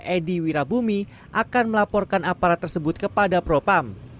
edi wirabumi akan melaporkan aparat tersebut kepada propam